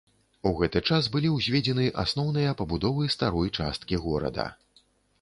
У гэты час былі ўзведзены асноўныя пабудовы старой часткі горада.